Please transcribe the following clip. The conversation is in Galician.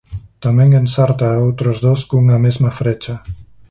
Tamén ensarta a outros dous cunha mesma frecha.